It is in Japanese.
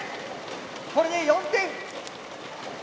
これで４点。